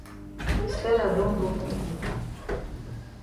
Stella don broke yi foot.